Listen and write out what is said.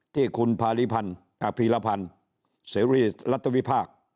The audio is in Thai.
ที่คุณภาริพันธ์อภีรพันธ์ศิริรัตนวิภาค